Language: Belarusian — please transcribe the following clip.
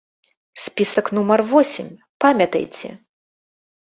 Спісак нумар восем, памятайце!